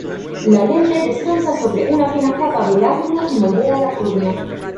La lente descansa sobre una fina capa de lágrima y moldea la córnea.